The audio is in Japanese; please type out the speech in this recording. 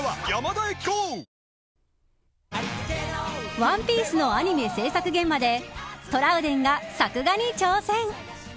ＯＮＥＰＩＥＣＥのアニメ制作現場でトラウデンが作画に挑戦。